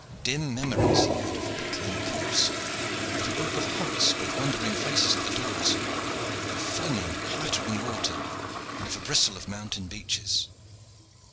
Dim memories he had of beetling cliffs, of a group of huts with wondering faces at the doors, of foaming, clattering water, and of a bristle of mountain beeches.